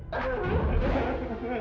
dan itu urban about dediably